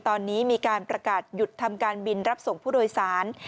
ตอนนี้มีการประกาศหยุดทำการบินรับส่งผู้โดยสาร